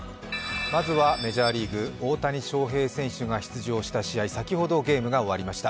まずはメジャーリーグ、大谷翔平選手が出場した試合、先ほどゲームが終わりました。